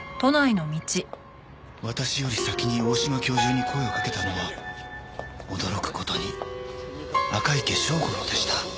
「私より先に大島教授に声を掛けたのは驚く事に赤池庄五郎でした」